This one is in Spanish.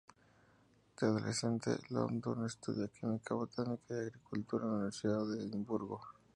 De adolescente, Loudon estudia Química, Botánica y Agricultura en la Universidad de Edimburgo.